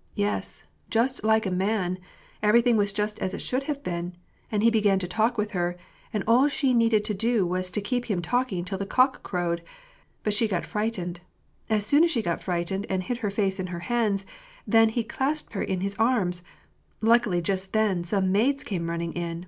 " Yes, just like a man, everything was just as it should have been ; and he began to talk with her, and all she needed to do was to keep him talking till the cock crowed, but she got frightened ; as soon as she got frightened, and hid her face in her hands, then he clasped her in his arms. Luckily, just then, some maids came running in."